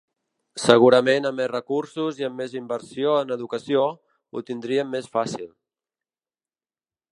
Segurament amb més recursos i amb més inversió en educació, ho tindríem més fàcil.